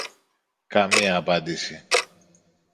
Καμία απάντηση